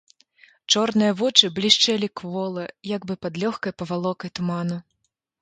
Чорныя вочы блішчэлі квола, як бы пад лёгкай павалокай туману.